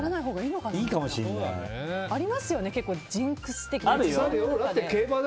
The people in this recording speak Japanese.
ありますよね、ジンクス的なの。